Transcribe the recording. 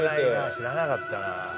知らなかったな。